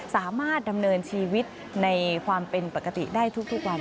สามารถดำเนินชีวิตในความเป็นปกติได้ทุกวัน